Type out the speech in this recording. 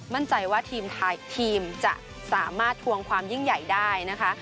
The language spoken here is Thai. มั่นใจว่าทีมจะสามารถทวงความยิ่งใหญ่ได้นะคะ